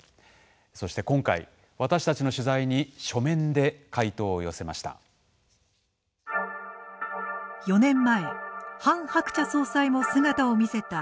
そして今回、私たちの取材に書面で回答を寄せました。